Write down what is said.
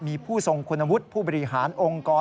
มีผู้ทรงคุณวุฒิผู้บริหารองค์กร